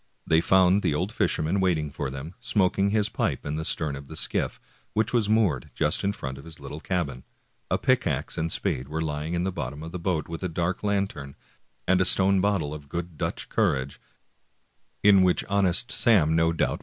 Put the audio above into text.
They found the old fisherman waiting for them, smoking his pipe in the stern of the skiff, which was moored just in front of his little cabin. A pickax and spade were lying in the bottom of the boat, with a dark lantern, and a stone bottle of good Dutch courage,^ in which honest Sam no 1 Hobby, or hobbyhorse, a favorite th^rne of